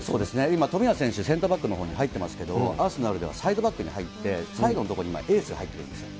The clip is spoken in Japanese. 今、冨安選手、センターバックのほうに入ってますけど、アーセナルではサイドバックに入って、サイドの所にエースで入ってるんですよ。